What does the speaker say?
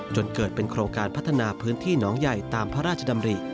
จนเกิดเป็นโครงการพัฒนาพื้นที่หนองใหญ่ตามพระราชดำริ